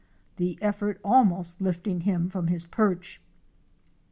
the effort almost lifting him from his perch.